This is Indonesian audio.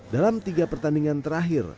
dalam tiga pertandingan terakhir